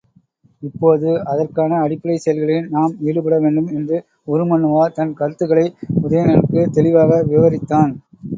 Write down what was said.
இப்போது அதற்கான அடிப்படைச் செயல்களில் நாம் ஈடுபட வேண்டும் என்று உருமண்ணுவா தன் கருத்துக்களை உதயணனுக்குத் தெளிவாக விவரித்தான்.